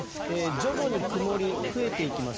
徐々に曇りが増えていきます。